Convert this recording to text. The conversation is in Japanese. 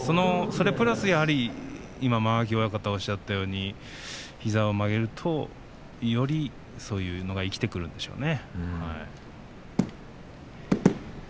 それプラスやはり今、間垣親方がおっしゃったように膝を曲げると、よりそういうのが生きてくるんでしょうね。